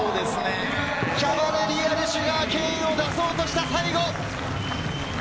キャバレリアルシュガーケーンを出そうとした最後。